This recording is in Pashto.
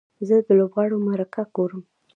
زه د لوبغاړو مرکه ګورم.